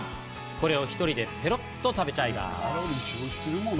これを１人でペロっと食べちゃいます。